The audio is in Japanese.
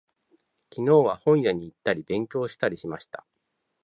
昨日は、本屋に行ったり、勉強したりしました。